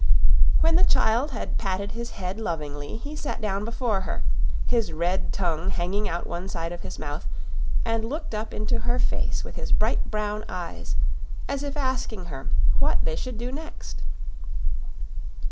When the child had patted his head lovingly, he sat down before her, his red tongue hanging out one side of his mouth, and looked up into her face with his bright brown eyes, as if asking her what they should do next.